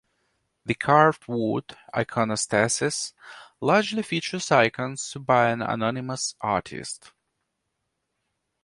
The carved wood iconostasis largely features icons by an anonymous artist.